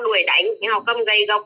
đuổi đánh họ cầm gây gốc